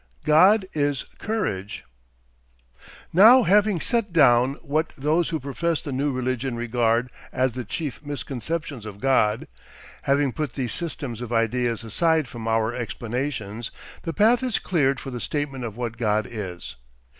GOD IS COURAGE Now having set down what those who profess the new religion regard as the chief misconceptions of God, having put these systems of ideas aside from our explanations, the path is cleared for the statement of what God is.